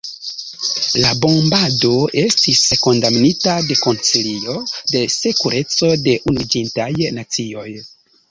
La bombado estis kondamnita de Konsilio de Sekureco de Unuiĝintaj Nacioj.